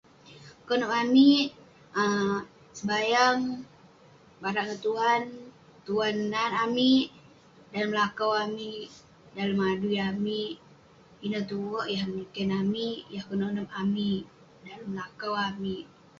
Konep amik, um sebayang, barak ngan Tuan. Tuan nat amik, dalem lakau amik, dalem adui amik. Ineh tue yah peniken amik, yah kenonep amik dalem lakau amik.